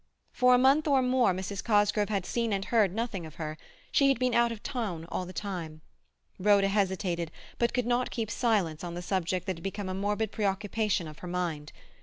For a month or more Mrs. Cosgrove had seen and heard nothing of her; she had been out of town all the time. Rhoda hesitated, but could not keep silence on the subject that had become a morbid preoccupation of her mind.